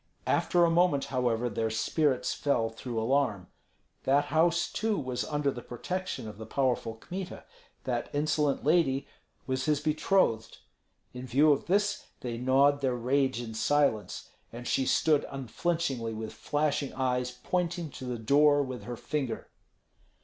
After a moment, however, their spirits fell through alarm. That house too was under the protection of the powerful Kmita; that insolent lady was his betrothed. In view of this they gnawed their rage in silence, and she stood unflinchingly with flashing eyes pointing to the door with her finger.